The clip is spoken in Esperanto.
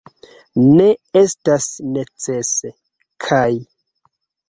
Ne estas necese, kaj.